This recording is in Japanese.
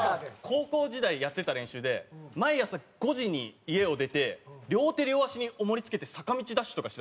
高校時代やってた練習で毎朝５時に家を出て両手両足に重りつけて坂道ダッシュとかしてたんですよ。